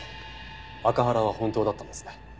アカハラは本当だったんですね。